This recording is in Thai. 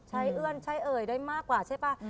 เอื้อนใช้เอ่ยได้มากกว่าใช่ป่ะ